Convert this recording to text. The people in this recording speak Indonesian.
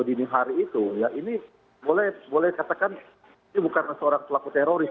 dini hari itu ya ini boleh katakan ini bukan seorang pelaku teroris